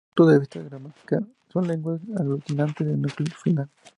Desde el punto de vista gramatical son lenguas aglutinantes de núcleo final.